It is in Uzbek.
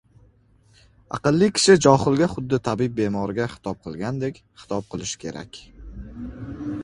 Aqlli kishi johilga xuddi tabib bemorga xitob qilgandek xitob qilishi kerak.